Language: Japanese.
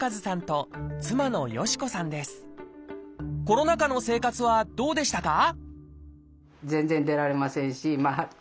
コロナ禍の生活はどうでしたか？